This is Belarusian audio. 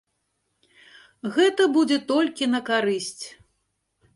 Гэта будзе толькі на карысць.